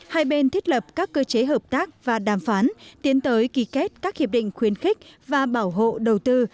hai bên thiết lập các cơ chế hợp tác và đàm phán tiến tới ký kết các hiệp định khuyến khích và bảo hộ đầu tư